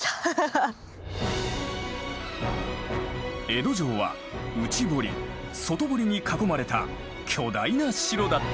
江戸城は内堀外堀に囲まれた巨大な城だった。